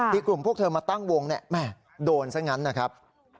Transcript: กลุ่มพวกเธอมาตั้งวงเนี่ยแม่โดนซะงั้นนะครับ